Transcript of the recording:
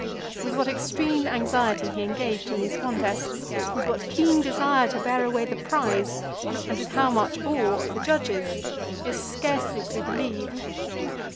With what extreme anxiety he engaged in these contests, with what keen desire to bear away the prize, and with how much awe of the judges, is scarcely to be believed.